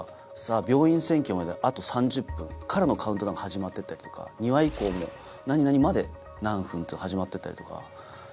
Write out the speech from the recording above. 病院占拠まであと３０分からのカウントダウンが始まってたりとか２話以降も何々まで何分って始まってたりとか。